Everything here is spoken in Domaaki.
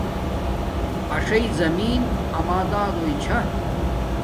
اݽی زمین اما دادݸ چھا